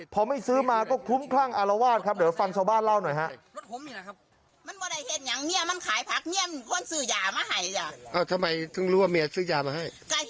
พอไม่ซื้อมาก็คุ้มคลั่งอารวาสครับเดี๋ยวฟังชาวบ้านเล่าหน่อยฮะ